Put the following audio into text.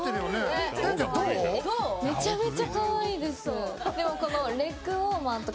めちゃめちゃかわいいです。